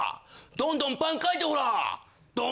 どんどんパン書いてほら！